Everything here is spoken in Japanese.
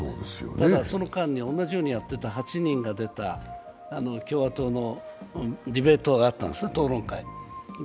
ただ、その間に同じようにやっていた８人が出た共和党のディベートがあったんですね、討論会。